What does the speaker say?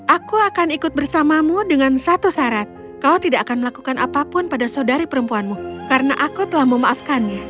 aku akan ikut bersamamu dengan satu syarat kau tidak akan melakukan apapun pada saudari perempuanmu karena aku telah memaafkannya